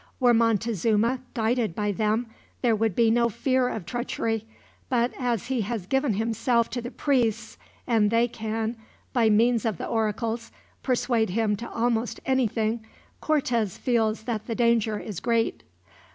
Were Montezuma guided by them, there would be no fear of treachery; but as he has given himself to the priests, and they can, by means of the oracles, persuade him to almost anything, Cortez feels that the danger is great."